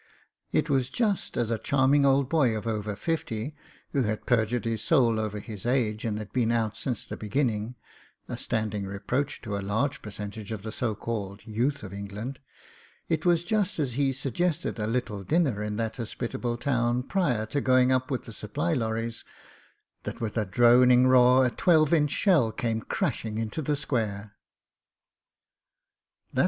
It was just as a charming old boy of over fifty, who had perjured his soul over his age and had been out since the beginning —^ standing reproach to a large percentage of the so called youth of England — it was just as he suggested a little dinner in that hospitable town, prior to going up with the supply lorries, that with a droning roar a twelve inch shell came crashing into the square.